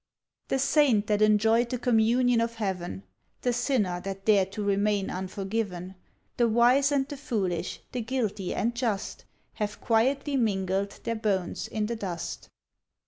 The saint that enjoyed the communion of heaven, The sinner that dared to remain unforgiven, The wise and the foolish, the guilty and just, Have quietly mingled their bones in the dust.